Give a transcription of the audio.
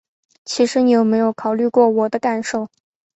其实你有没有考虑过我的感受？